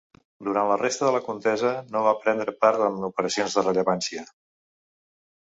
Durant la resta de la contesa no va prendre part en operacions de rellevància.